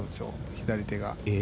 左手が。